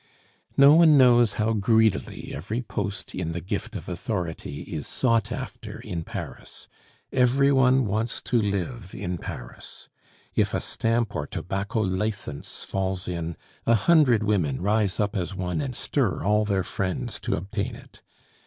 No one knows how greedily every post in the gift of authority is sought after in Paris. Every one wants to live in Paris. If a stamp or tobacco license falls in, a hundred women rise up as one and stir all their friends to obtain it.